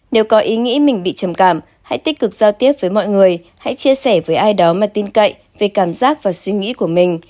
nếu có ý nghĩ mình bị trầm cảm hãy tích cực giao tiếp với mọi người hãy chia sẻ với ai đó mà tin cậy về cảm giác và suy nghĩ của mình